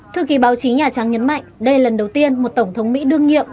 thư ký báo chí nhà trắng nhấn mạnh đây là lần đầu tiên một tổng thống mỹ đương nhiệm